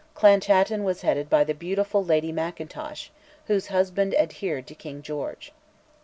Clan Chattan was headed by the beautiful Lady Mackintosh, whose husband adhered to King George.